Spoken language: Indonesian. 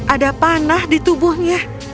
ada panah di tubuhnya